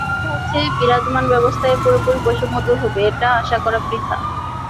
কথা হচ্ছে, বিরাজমান ব্যবস্থায় পুরোপুরি বৈষম্য দূর হবে, এটা আশা করা বৃথা।